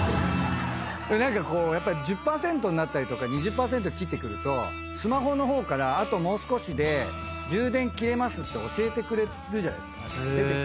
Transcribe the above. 何かこう１０％になったりとか２０％切ってくるとスマホの方からあともう少しで充電切れますって教えてくれるじゃないですか。